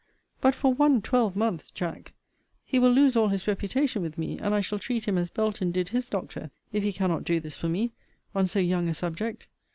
But for one twelvemonth, Jack! He will lose all his reputation with me, and I shall treat him as Belton did his doctor, if he cannot do this for me, on so young a subject.